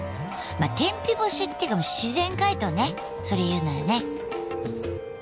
天日干しっていうか自然解凍ねそれ言うならね。